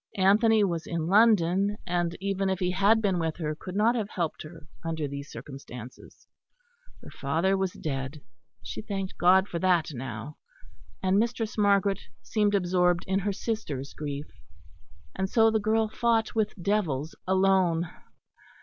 Anthony was in London; and even if he had been with her could not have helped her under these circumstances; her father was dead she thanked God for that now and Mistress Margaret seemed absorbed in her sister's grief. And so the girl fought with devils alone.